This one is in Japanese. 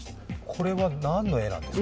これは何の絵なんですか？